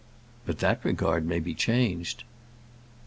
"But that regard may be changed."